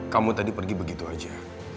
kamu tadi pergi begitu aja